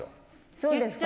そうですか。